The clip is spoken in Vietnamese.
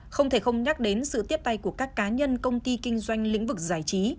không thể không nhắc đến sự tiếp tay của các cá nhân công ty kinh doanh lĩnh vực giải trí